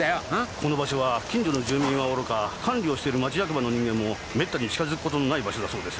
この場所は近所の住民はおろか管理をしてる町役場の人間も滅多に近づく事のない場所だそうです。